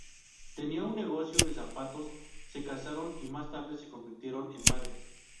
Tenían un negocio de zapatos, se casaron y más tarde se convirtieron en madres.